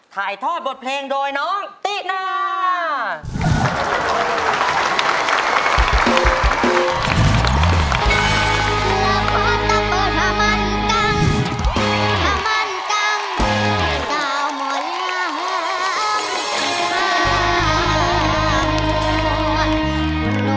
ถ่ายทอดบทเพลงโดยน้องตินา